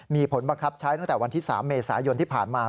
มีผลบังคับใช้ตั้งแต่วันที่๓เมษายนที่ผ่านมา